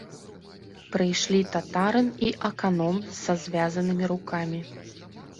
Прыйшлі татарын і аканом са звязанымі рукамі.